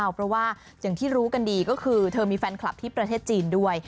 เพราะว่าอย่างที่รู้กันดีก็คือเธอมีแฟนคลับที่ประเทศจีนด้วย